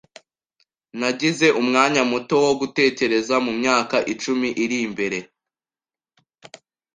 Nagize umwanya muto wo gutekereza mumyaka icumi iri imbere.